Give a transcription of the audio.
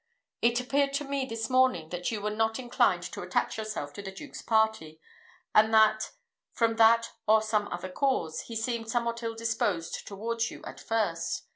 It appeared to me this morning that you were not inclined to attach yourself to the Duke's party; and that, from that or some other cause, he seemed somewhat ill disposed towards you at first.